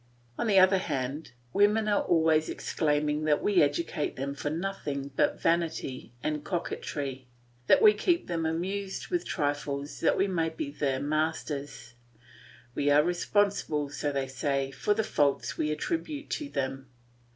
On the other hand, women are always exclaiming that we educate them for nothing but vanity and coquetry, that we keep them amused with trifles that we may be their masters; we are responsible, so they say, for the faults we attribute to them.